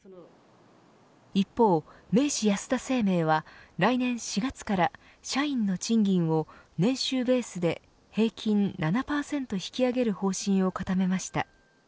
一方、明治安田生命は来年４月から社員の賃金を年収ベースで平均７％引き上げる方針を固めました。